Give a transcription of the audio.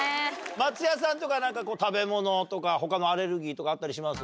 松也さんとか何か食べ物とか他のアレルギーとかあったりします？